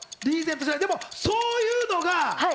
でもそういうのが。